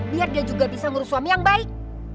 biar dia juga bisa ngurus suami yang baik